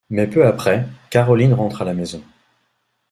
Mais peu après, Caroline rentre à la maison.